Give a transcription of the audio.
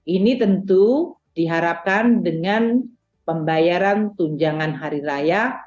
ini tentu diharapkan dengan pembayaran tunjangan hari raya